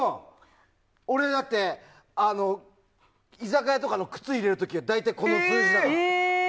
俺、居酒屋とかの靴を入れる時は大体この数字なの。